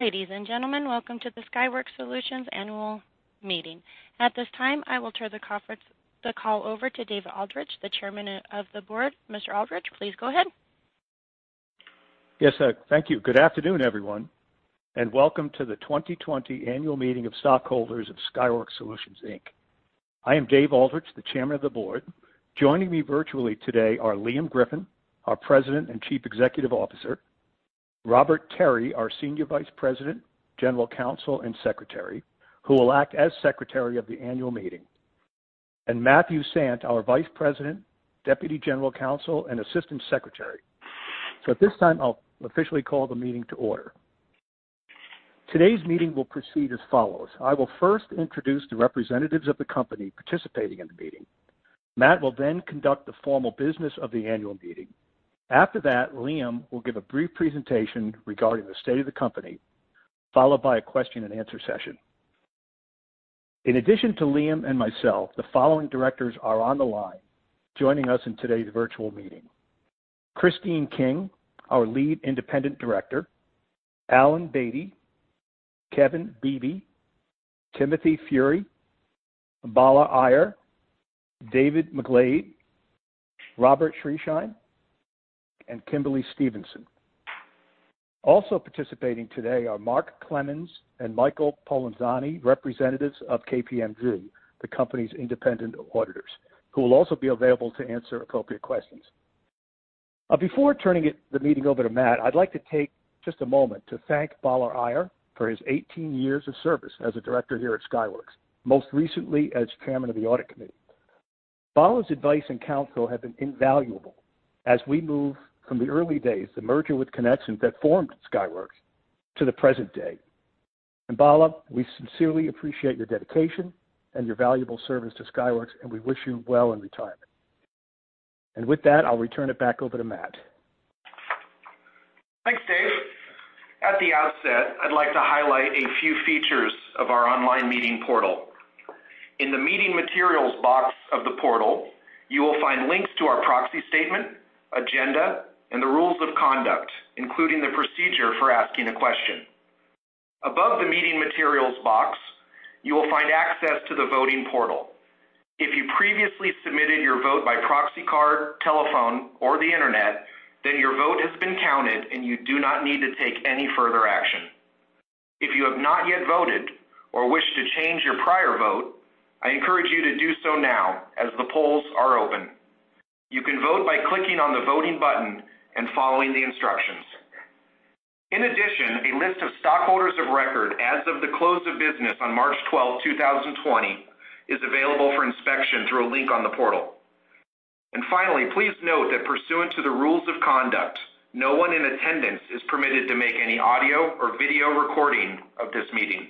Ladies and gentlemen, welcome to the Skyworks Solutions Annual Meeting. At this time, I will turn the call over to Dave Aldrich, the Chairman of the Board. Mr. Aldrich, please go ahead. Yes. Thank you. Good afternoon, everyone, and welcome to the 2020 Annual Meeting of Stockholders of Skyworks Solutions, Inc. I am Dave Aldrich, the Chairman of the Board. Joining me virtually today are Liam Griffin, our President and Chief Executive Officer, Robert Terry, our Senior Vice President, General Counsel, and Secretary, who will act as Secretary of the annual meeting, and Matthew Sant, our Vice President, Deputy General Counsel, and Assistant Secretary. At this time, I'll officially call the meeting to order. Today's meeting will proceed as follows. I will first introduce the representatives of the company participating in the meeting. Matt will then conduct the formal business of the annual meeting. After that, Liam will give a brief presentation regarding the state of the company, followed by a question-and-answer session. In addition to Liam and myself, the following directors are on the line joining us in today's virtual meeting. Christine King, our Lead Independent Director, Alan Batey, Kevin Beebe, Timothy Furey, Bala Iyer, David McGlade, Robert Schriesheim, and Kimberly Stevenson. Also participating today are Mark Clemens and Michael Polenzani, representatives of KPMG, the company's independent auditors, who will also be available to answer appropriate questions. Before turning the meeting over to Matt, I'd like to take just a moment to thank Bala Iyer for his 18 years of service as a director here at Skyworks, most recently as chairman of the audit committee. Bala's advice and counsel have been invaluable as we move from the early days, the merger with Conexant that formed Skyworks, to the present day. Bala, we sincerely appreciate your dedication and your valuable service to Skyworks, and we wish you well in retirement. With that, I'll return it back over to Matt. Thanks, Dave. At the outset, I'd like to highlight a few features of our online meeting portal. In the meeting materials box of the portal, you will find links to our proxy statement, agenda, and the rules of conduct, including the procedure for asking a question. Above the meeting materials box, you will find access to the voting portal. If you previously submitted your vote by proxy card, telephone, or the Internet, then your vote has been counted, and you do not need to take any further action. If you have not yet voted or wish to change your prior vote, I encourage you to do so now as the polls are open. You can vote by clicking on the voting button and following the instructions. A list of stockholders of record as of the close of business on March 12, 2020, is available for inspection through a link on the portal. Finally, please note that pursuant to the rules of conduct, no one in attendance is permitted to make any audio or video recording of this meeting.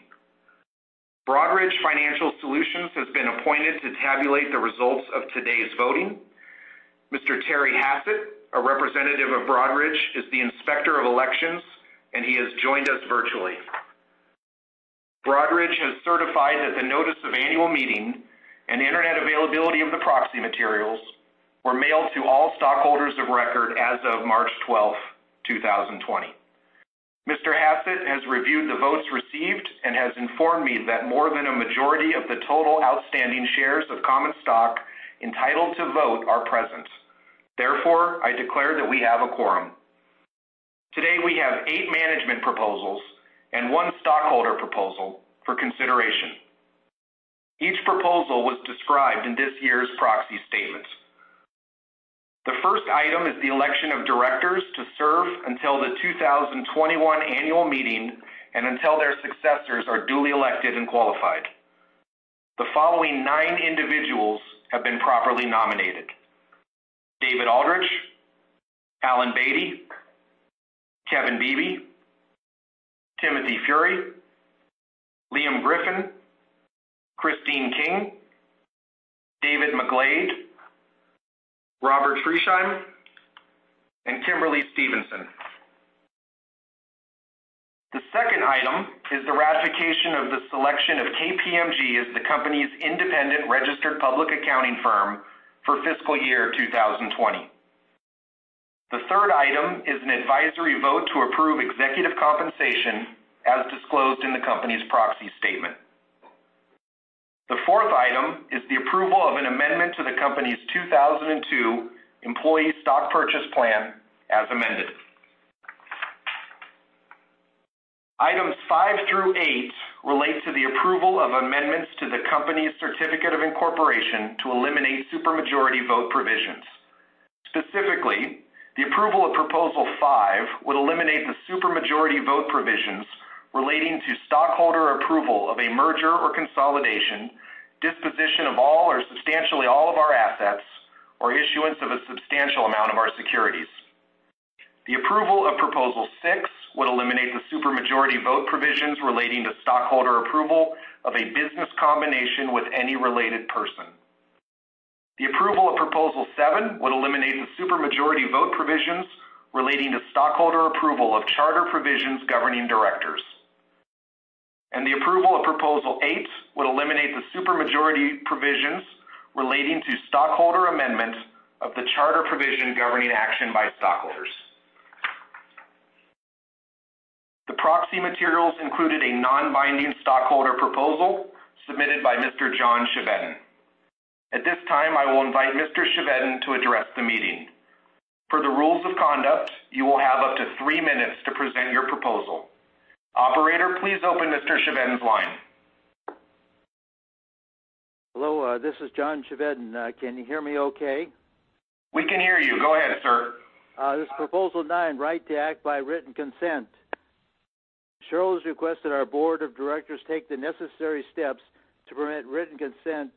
Broadridge Financial Solutions has been appointed to tabulate the results of today's voting. Mr. Terry Hassett, a representative of Broadridge, is the Inspector of Elections, and he has joined us virtually. Broadridge has certified that the notice of annual meeting and Internet availability of the proxy materials were mailed to all stockholders of record as of March 12, 2020. Mr. Hassett has reviewed the votes received and has informed me that more than a majority of the total outstanding shares of common stock entitled to vote are present. Therefore, I declare that we have a quorum. Today, we have eight management proposals and one stockholder proposal for consideration. Each proposal was described in this year's proxy statement. The first item is the election of directors to serve until the 2021 annual meeting and until their successors are duly elected and qualified. The following nine individuals have been properly nominated: David Aldrich, Alan Batey, Kevin Beebe, Timothy Furey, Liam Griffin, Christine King, David McGlade, Robert Schriesheim, and Kimberly Stevenson. The second item is the ratification of the selection of KPMG as the company's independent registered public accounting firm for fiscal year 2020. The third item is an advisory vote to approve executive compensation as disclosed in the company's proxy statement. The fourth item is the approval of an amendment to the company's 2002 employee stock purchase plan as amended. Items five through eight relate to the approval of amendments to the company's certificate of incorporation to eliminate super majority vote provisions. Specifically, the approval of proposal five would eliminate the super majority vote provisions relating to stockholder approval of a merger or consolidation, disposition of all or substantially all of our assets, or issuance of a substantial amount of our securities. The approval of Proposal 6 would eliminate the super majority vote provisions relating to stockholder approval of a business combination with any related person. The approval of proposal seven would eliminate the super majority vote provisions relating to stockholder approval of charter provisions governing directors. The approval of Proposal 8 would eliminate the super majority provisions relating to stockholder amendments of the charter provision governing action by stockholders. The proxy materials included a non-binding stockholder proposal submitted by Mr. John Chevedden. At this time, I will invite Mr. Chevedden to address the meeting. Per the rules of conduct, you will have up to three minutes to present your proposal. Operator, please open Mr. Chevedden's line. Hello, this is John Chevedden. Can you hear me okay? We can hear you. Go ahead, sir. This is Proposal 9, right to act by written consent. Shareholders request that our Board of Directors take the necessary steps to permit written consent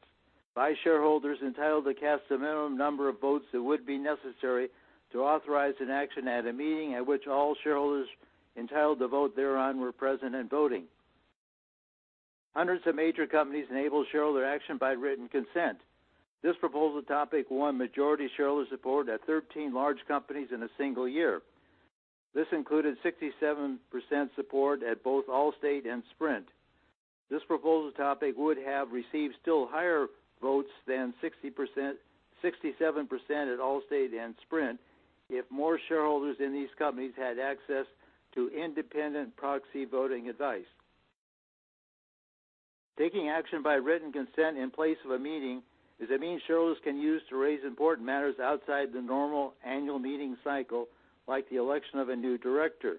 by shareholders entitled to cast the minimum number of votes that would be necessary to authorize an action at a meeting at which all shareholders entitled to vote thereon were present and voting. Hundreds of major companies enable shareholder action by written consent. This proposal topic won majority shareholder support at 13 large companies in a single year. This included 67% support at both Allstate and Sprint. This proposal topic would have received still higher votes than 67% at Allstate and Sprint if more shareholders in these companies had access to independent proxy voting advice. Taking action by written consent in place of a meeting is a means shareholders can use to raise important matters outside the normal annual meeting cycle, like the election of a new director.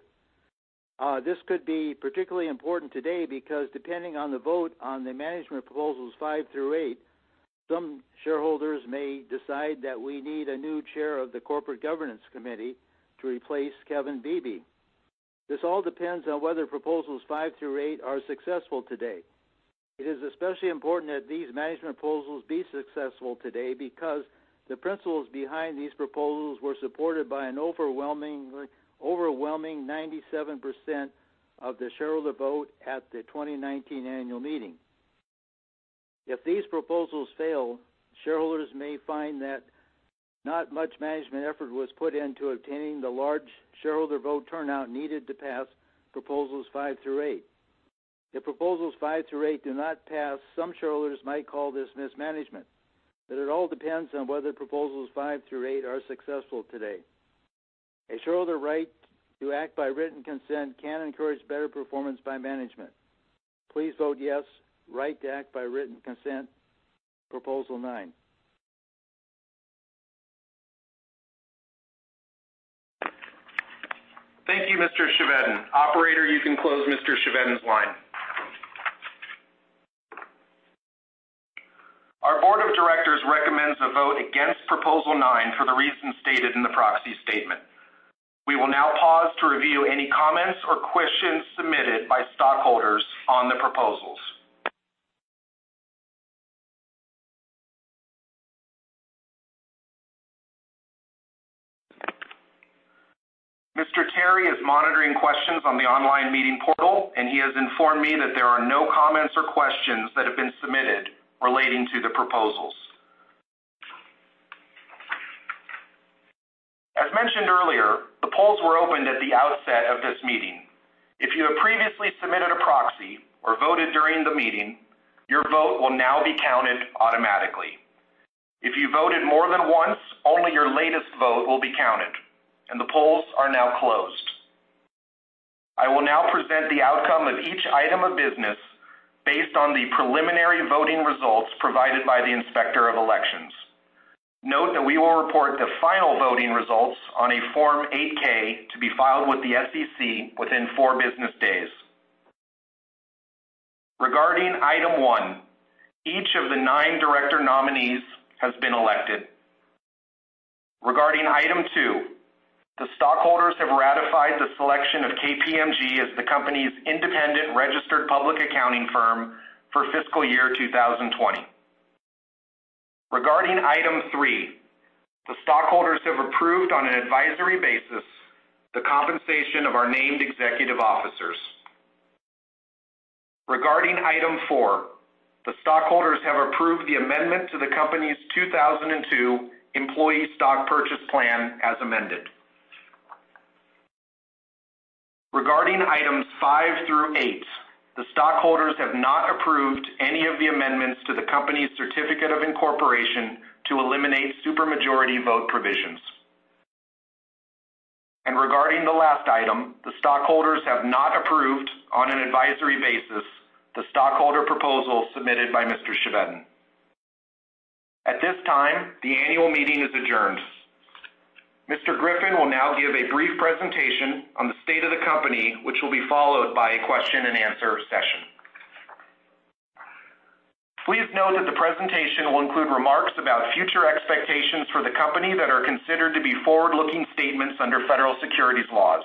This could be particularly important today because depending on the vote on the management Proposals 5 through 8, some shareholders may decide that we need a new chair of the Corporate Governance Committee to replace Kevin Beebe. This all depends on whether Proposals 5 through 8 are successful today. It is especially important that these management proposals be successful today because the principles behind these proposals were supported by an overwhelming 97% of the shareholder vote at the 2019 annual meeting. If these proposals fail, shareholders may find that not much management effort was put into obtaining the large shareholder vote turnout needed to pass Proposals 5 through 8. If Proposals 5 through 8 do not pass, some shareholders might call this mismanagement, but it all depends on whether Proposals 5 through 8 are successful today. A shareholder right to act by written consent can encourage better performance by management. Please vote yes, right to act by written consent, Proposal 9. Thank you, Mr. Chevedden. Operator, you can close Mr. Chevedden's line. Our Board of Directors recommends a vote against Proposal 9 for the reasons stated in the proxy statement. We will now pause to review any comments or questions submitted by stockholders on the proposals. Mr. Terry is monitoring questions on the online meeting portal, and he has informed me that there are no comments or questions that have been submitted relating to the proposals. As mentioned earlier, the polls were opened at the outset of this meeting. If you have previously submitted a proxy or voted during the meeting, your vote will now be counted automatically. If you voted more than once, only your latest vote will be counted, and the polls are now closed. I will now present the outcome of each item of business based on the preliminary voting results provided by the Inspector of Elections. Note we will report the final voting results on a Form 8-K to be filed with the SEC within four business days. Regarding item one, each of the nine director nominees has been elected. Regarding item two, the stockholders have ratified the selection of KPMG as the company's independent registered public accounting firm for fiscal year 2020. Regarding item three, the stockholders have approved on an advisory basis the compensation of our named executive officers. Regarding item four, the stockholders have approved the amendment to the company's 2002 employee stock purchase plan as amended. Regarding items five through eight, the stockholders have not approved any of the amendments to the company's certificate of incorporation to eliminate super majority vote provisions. Regarding the last item, the stockholders have not approved on an advisory basis the stockholder proposal submitted by Mr. Chevedden. At this time, the annual meeting is adjourned. Mr. Griffin will now give a brief presentation on the state of the company, which will be followed by a question-and-answer session. Please note that the presentation will include remarks about future expectations for the company that are considered to be forward-looking statements under federal securities laws.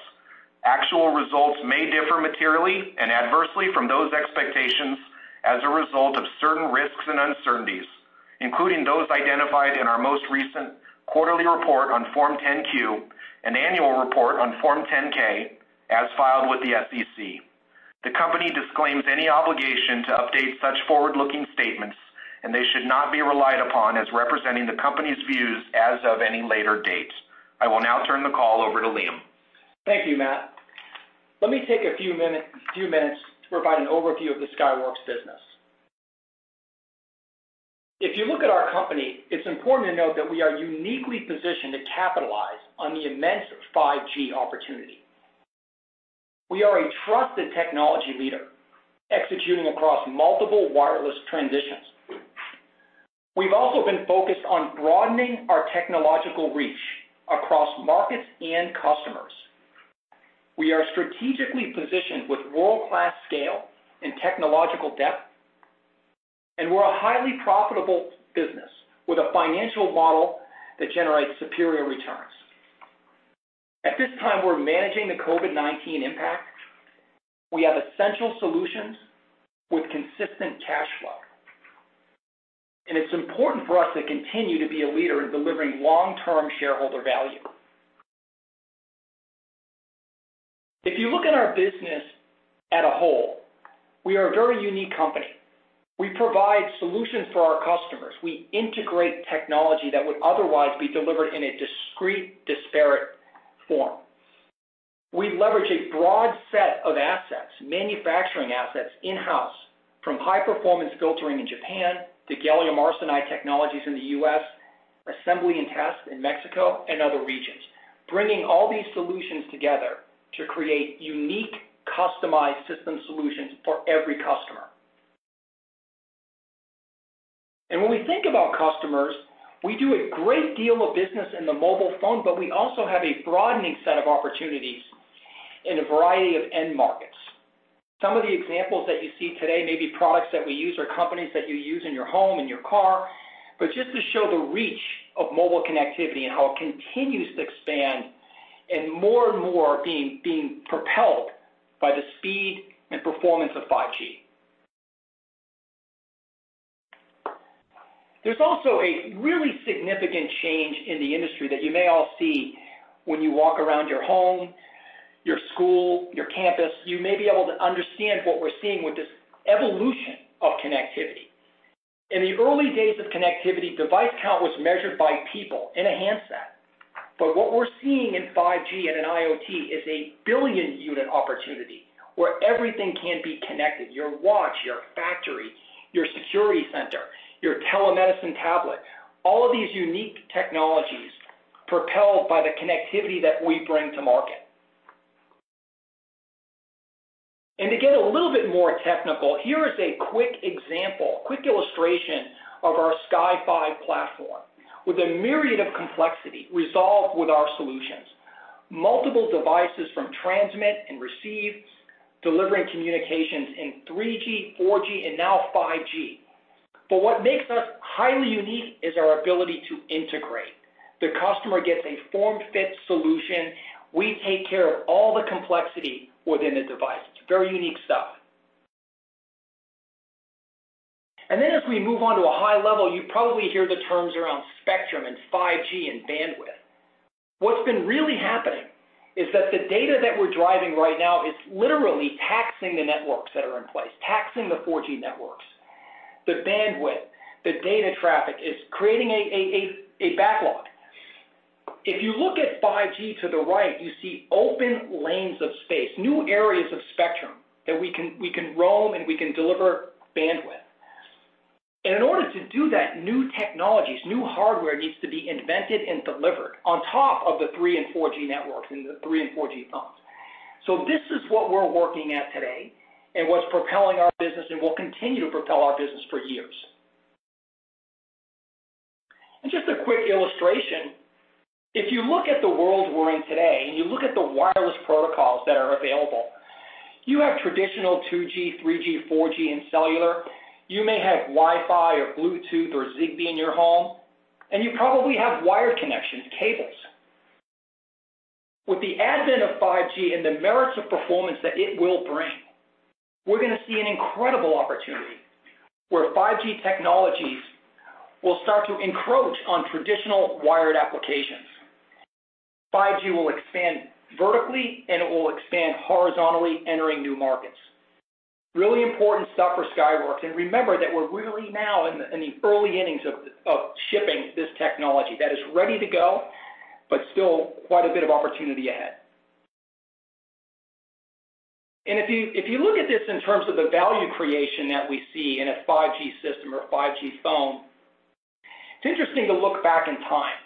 Actual results may differ materially and adversely from those expectations as a result of certain risks and uncertainties, including those identified in our most recent quarterly report on Form 10-Q and annual report on Form 10-K as filed with the SEC. The company disclaims any obligation to update such forward-looking statements, and they should not be relied upon as representing the company's views as of any later date. I will now turn the call over to Liam. Thank you, Matt. Let me take a few minutes to provide an overview of the Skyworks business. If you look at our company, it's important to note that we are uniquely positioned to capitalize on the immense 5G opportunity. We are a trusted technology leader, executing across multiple wireless transitions. We've also been focused on broadening our technological reach across markets and customers. We are strategically positioned with world-class scale and technological depth, and we're a highly profitable business with a financial model that generates superior returns. At this time, we're managing the COVID-19 impact. We have essential solutions with consistent cash flow. It's important for us to continue to be a leader in delivering long-term shareholder value. If you look at our business as a whole, we are a very unique company. We provide solutions for our customers. We integrate technology that would otherwise be delivered in a discrete, disparate form. We leverage a broad set of assets, manufacturing assets in-house, from high-performance filtering in Japan to gallium arsenide technologies in the U.S., assembly and test in Mexico and other regions, bringing all these solutions together to create unique, customized system solutions for every customer. When we think about customers, we do a great deal of business in the mobile phone, but we also have a broadening set of opportunities in a variety of end markets. Some of the examples that you see today may be products that we use or companies that you use in your home and your car, but just to show the reach of mobile connectivity and how it continues to expand and more and more being propelled by the speed and performance of 5G. There's also a really significant change in the industry that you may all see when you walk around your home, your school, your campus. You may be able to understand what we're seeing with this evolution of connectivity. In the early days of connectivity, device count was measured by people in a handset. What we're seeing in 5G and in IoT is a billion-unit opportunity where everything can be connected, your watch, your factory, your security center, your telemedicine tablet, all of these unique technologies propelled by the connectivity that we bring to market. To get a little bit more technical, here is a quick example, quick illustration of our Sky5 platform with a myriad of complexity resolved with our solutions. Multiple devices from transmit and receive, delivering communications in 3G, 4G, and now 5G. What makes us highly unique is our ability to integrate. The customer gets a form-fit solution. We take care of all the complexity within the device. It's very unique stuff. As we move on to a high level, you probably hear the terms around spectrum and 5G and bandwidth. What's been really happening is that the data that we're driving right now is literally taxing the networks that are in place, taxing the 4G networks. The bandwidth, the data traffic is creating a backlog. If you look at 5G to the right, you see open lanes of space, new areas of spectrum that we can roam and we can deliver bandwidth. In order to do that, new technologies, new hardware needs to be invented and delivered on top of the 3G and 4G networks and the 3G and 4G phones. This is what we're working at today and what's propelling our business and will continue to propel our business for years. Just a quick illustration. If you look at the world we're in today and you look at the wireless protocols that are available, you have traditional 2G, 3G, 4G, and cellular. You may have Wi-Fi or Bluetooth or Zigbee in your home, and you probably have wired connections, cables. With the advent of 5G and the merits of performance that it will bring, we're going to see an incredible opportunity where 5G technologies will start to encroach on traditional wired applications. 5G will expand vertically and it will expand horizontally, entering new markets. Really important stuff for Skyworks. Remember that we're really now in the early innings of shipping this technology that is ready to go, but still quite a bit of opportunity ahead. If you look at this in terms of the value creation that we see in a 5G system or a 5G phone, it's interesting to look back in time.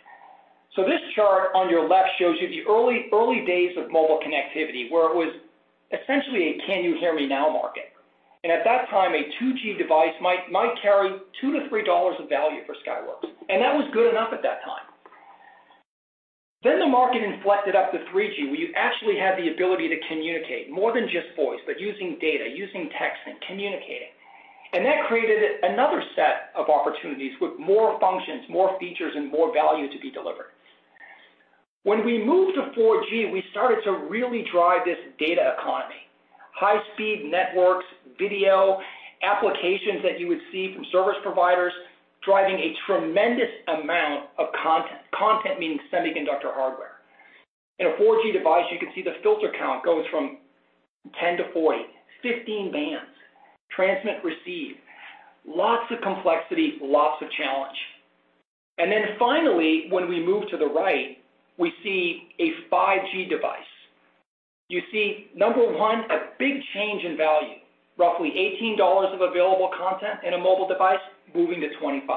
This chart on your left shows you the early days of mobile connectivity, where it was essentially a can-you-hear-me-now market. At that time, a 2G device might carry $2-$3 of value for Skyworks. That was good enough at that time. The market inflected up to 3G, where you actually had the ability to communicate more than just voice, but using data, using text, and communicating. That created another set of opportunities with more functions, more features, and more value to be delivered. When we moved to 4G, we started to really drive this data economy. High-speed networks, video, applications that you would see from service providers, driving a tremendous amount of content. Content means semiconductor hardware. In a 4G device, you can see the filter count goes from 10 to 40, 15 bands, transmit, receive. Lots of complexity, lots of challenge. Finally, when we move to the right, we see a 5G device. You see, number one, a big change in value. Roughly $18 of available content in a mobile device, moving to 25.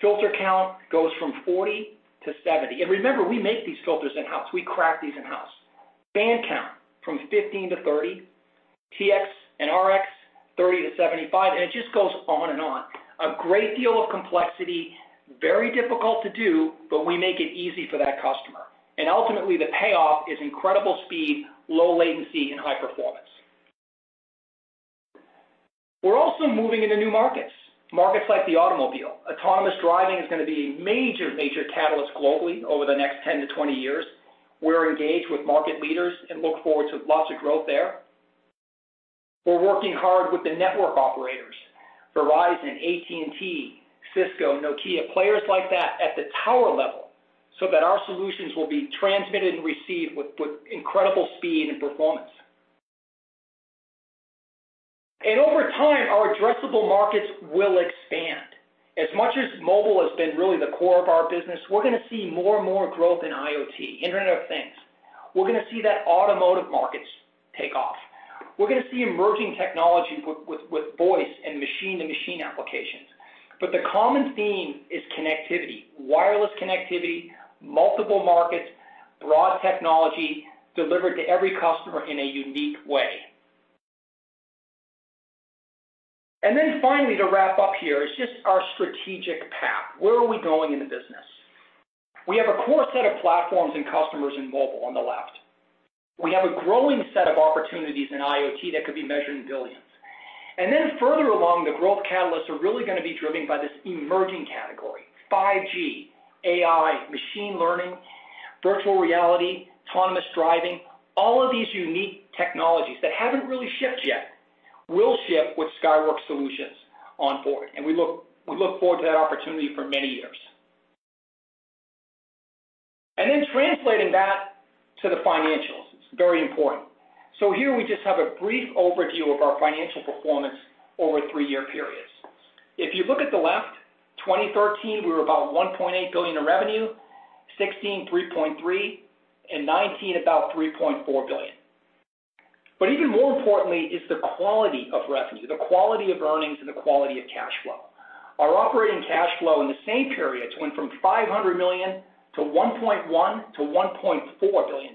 Filter count goes from 40 to 70. Remember, we make these filters in-house. We craft these in-house. Band count, from 15 to 30. TX and RX, 30 to 75, and it just goes on and on. A great deal of complexity, very difficult to do, but we make it easy for that customer. Ultimately, the payoff is incredible speed, low latency, and high performance. We're also moving into new markets like the automobile. Autonomous driving is going to be a major catalyst globally over the next 10-20 years. We're engaged with market leaders and look forward to lots of growth there. We're working hard with the network operators, Verizon, AT&T, Cisco, Nokia, players like that, at the tower level, so that our solutions will be transmitted and received with incredible speed and performance. Over time, our addressable markets will expand. As much as mobile has been really the core of our business, we're going to see more and more growth in IoT, Internet of Things. We're going to see that automotive markets take off. We're going to see emerging technology with voice and machine-to-machine applications. The common theme is connectivity, wireless connectivity, multiple markets, broad technology delivered to every customer in a unique way. Finally, to wrap up here, is just our strategic path. Where are we going in the business? We have a core set of platforms and customers in mobile on the left. We have a growing set of opportunities in IoT that could be measured in billions. Then further along, the growth catalysts are really going to be driven by this emerging category, 5G, AI, machine learning, virtual reality, autonomous driving. All of these unique technologies that haven't really shipped yet will ship with Skyworks Solutions on board. We look forward to that opportunity for many years. Then translating that to the financials. It's very important. Here we just have a brief overview of our financial performance over a three-year period. If you look at the left, 2013, we were about $1.8 billion in revenue, 2016, $3.3 billion, and 2019, about $3.4 billion. Even more importantly is the quality of revenue, the quality of earnings, and the quality of cash flow. Our operating cash flow in the same periods went from $500 million to $1.1 billion to $1.4 billion.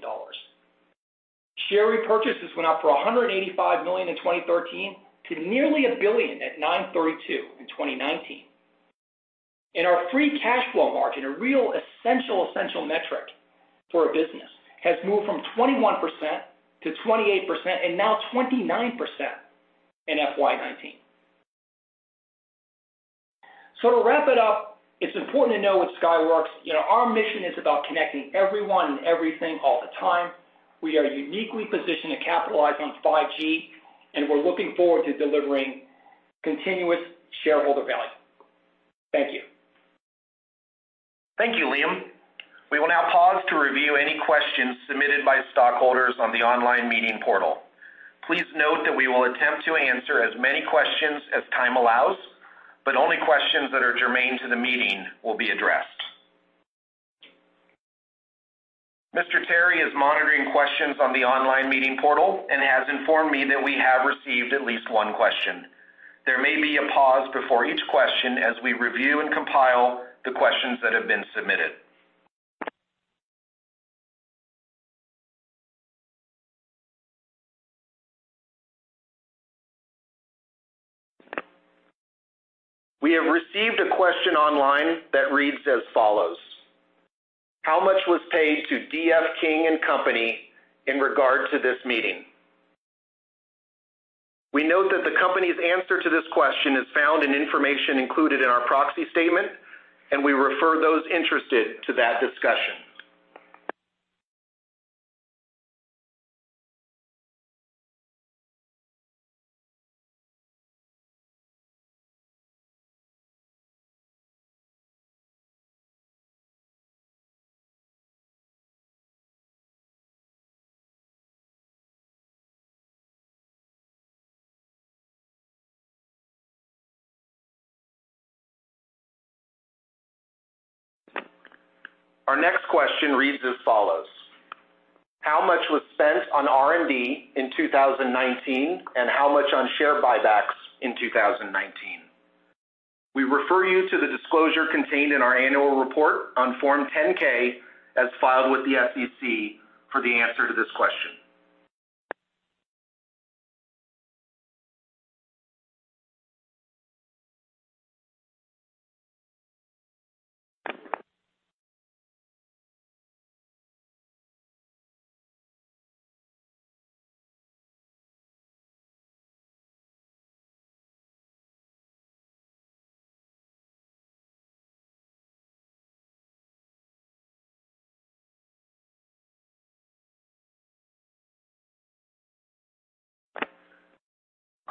Share repurchases went up from $185 million in 2013 to nearly $1 billion at $932 million in 2019. Our free cash flow margin, a real essential metric for a business, has moved from 21% to 28%, and now 29% in FY 2019. To wrap it up, it's important to know with Skyworks, our mission is about connecting everyone and everything all the time. We are uniquely positioned to capitalize on 5G, and we're looking forward to delivering continuous shareholder value. Thank you. Thank you, Liam. We will now pause to review any questions submitted by stockholders on the online meeting portal. Please note that we will attempt to answer as many questions as time allows, but only questions that are germane to the meeting will be addressed. Mr. Terry is monitoring questions on the online meeting portal and has informed me that we have received at least one question. There may be a pause before each question as we review and compile the questions that have been submitted. We have received a question online that reads as follows: How much was paid to D.F. King & Co in regard to this meeting? We note that the company's answer to this question is found in information included in our proxy statement, and we refer those interested to that discussion. Our next question reads as follows: How much was spent on R&D in 2019, and how much on share buybacks in 2019? We refer you to the disclosure contained in our annual report on Form 10-K as filed with the SEC for the answer to this question.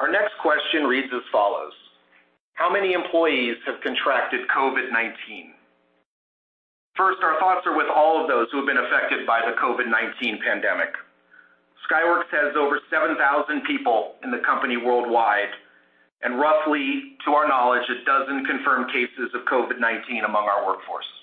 Our next question reads as follows: How many employees have contracted COVID-19? First, our thoughts are with all of those who have been affected by the COVID-19 pandemic. Skyworks has over 7,000 people in the company worldwide, and roughly, to our knowledge, a dozen confirmed cases of COVID-19 among our workforces.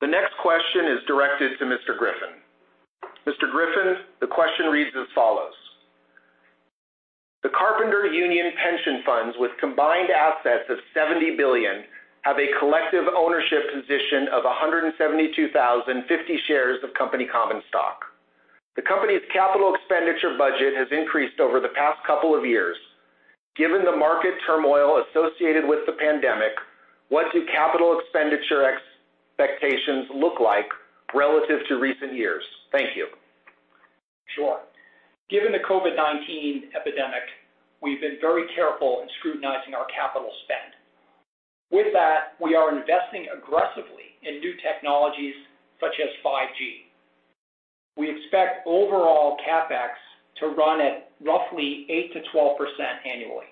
The next question is directed to Mr. Griffin. Mr. Griffin, the question reads as follows: The Carpenters Union pension funds, with combined assets of $70 billion, have a collective ownership position of 172,050 shares of company common stock. The company's capital expenditure budget has increased over the past couple of years. Given the market turmoil associated with the pandemic, what do capital expenditure expectations look like relative to recent years? Thank you. Sure. Given the COVID-19 epidemic, we've been very careful in scrutinizing our capital spend. With that, we are investing aggressively in new technologies such as 5G. We expect overall CapEx to run at roughly 8%-12% annually.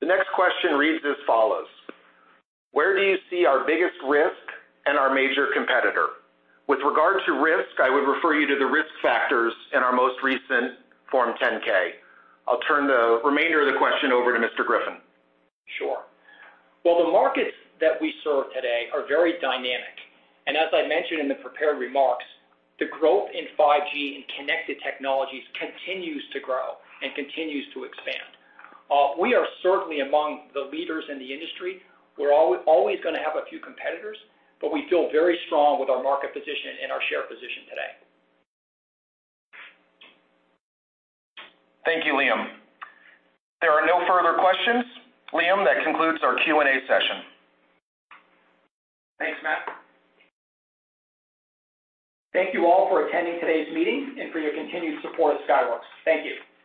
The next question reads as follows: where do you see our biggest risk and our major competitor? With regard to risk, I would refer you to the risk factors in our most recent Form 10-K. I'll turn the remainder of the question over to Mr. Griffin. Sure. Well, the markets that we serve today are very dynamic, and as I mentioned in the prepared remarks, the growth in 5G and connected technologies continues to grow and continues to expand. We are certainly among the leaders in the industry. We're always going to have a few competitors, but we feel very strong with our market position and our share position today. Thank you, Liam. If there are no further questions, Liam, that concludes our Q&A session. Thanks, Matt. Thank you all for attending today's meeting and for your continued support of Skyworks. Thank you.